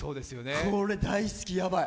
これ大好き、やばい！